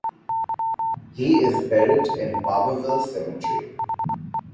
He is buried in Barbourville Cemetery.